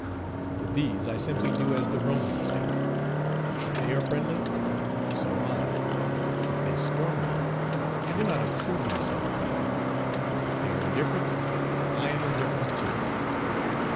With these I simply do as the Romans do. If they are friendly, so am I; if they scorn me, I do not obtrude myself upon them; if they are indifferent, I am indifferent too.